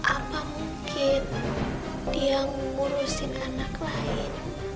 apa mungkin dia ngurusin anak lain